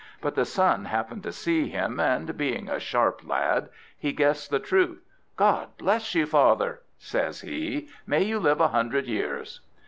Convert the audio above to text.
But the son happened to see him, and, being a sharp lad, he guessed the truth. "God bless you, father!" says he; "may you live a hundred years!"